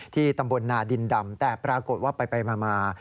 ตำบลนาดินดำแต่ปรากฏว่าไปมา